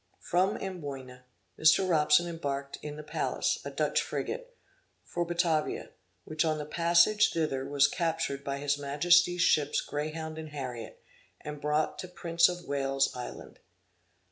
From Amboyna, Mr. Robson embarked in the Pallas a Dutch frigate, for Batavia, which on the passage thither was captured by his Majesty's ships Greyhound and Harriet, and brought to Prince of Wales's island.